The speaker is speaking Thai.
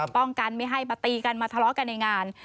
ป้องกันไม่ให้มาตีกันมาทะเลาะกันในงาน